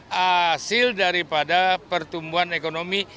hasil daripada pertumbuhan ekonomi